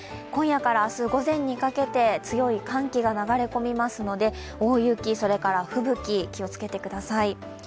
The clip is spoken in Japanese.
今夜から明日午前にかけて強い寒気が流れ込みますので大雪、それから吹雪、気をつけてください。